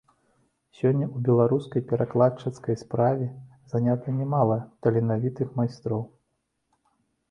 Сёння ў беларускай перакладчыцкай справе занята нямала таленавітых майстроў.